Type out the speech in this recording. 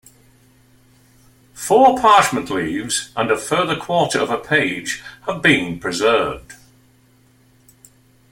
Four parchment leaves and a further quarter of a page have been preserved.